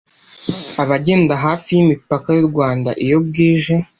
Abagenda hafi y’imipaka y’u Rwanda iyo bwije